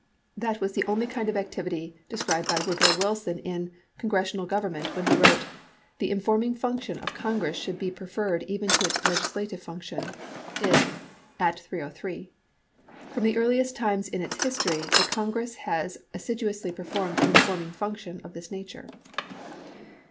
That was the only kind of activity described by Woodrow Wilson in "Congressional Govern ment" when he wrote : "The informing function of Congress should be preferred even to its legislative function." Id ., at 303. From the earliest times in its history, the Congress has assiduously performed an "informing function" of this nature.